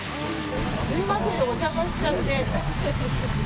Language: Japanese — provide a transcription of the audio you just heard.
すみません、お邪魔しちゃって。